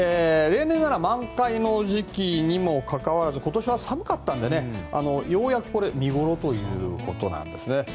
例年なら満開の時期にもかかわらず今年は寒かったのでようやく見頃ということなんですね。